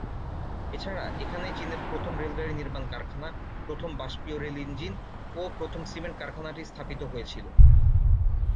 এছাড়া এখানেই চীনের প্রথম রেলগাড়ি নির্মাণ কারখানা, প্রথম বাষ্পীয় রেল ইঞ্জিন, ও প্রথম সিমেন্ট কারখানাটি স্থাপিত হয়েছিল।